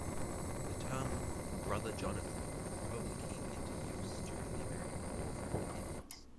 The term "Brother Jonathan" probably came into use during the American War for Independence.